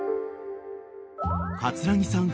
［葛城さん